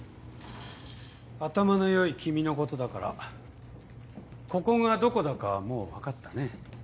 頭の良い君のことだからここがどこだかはもう分かったね。